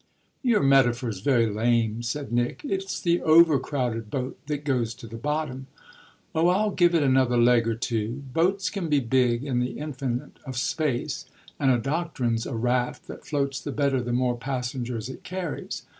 "Your metaphor's very lame," said Nick. "It's the overcrowded boat that goes to the bottom." "Oh I'll give it another leg or two! Boats can be big, in the infinite of space, and a doctrine's a raft that floats the better the more passengers it carries.